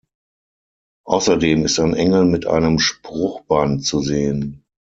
Außerdem ist ein Engel mit einem Spruchband zu sehen.